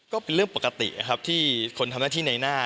ก็เป็นเรื่องปกตินะครับที่คนทำหน้าที่ในหน้า